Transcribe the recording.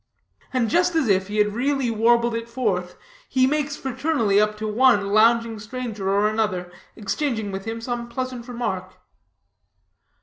And just as if he had really warbled it forth, he makes fraternally up to one lounging stranger or another, exchanging with him some pleasant remark.